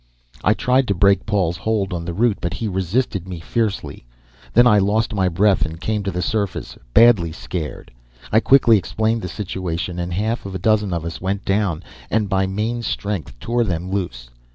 I tried to break Paul's hold on the root, but he resisted me fiercely. Then I lost my breath and came to the surface, badly scared. I quickly explained the situation, and half a dozen of us went down and by main strength tore them loose.